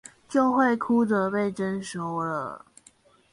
就會哭著被徵收了